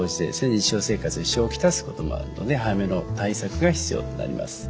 日常生活に支障を来すこともあるので早めの対策が必要となります。